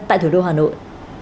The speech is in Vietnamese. tại thủ đô hà nội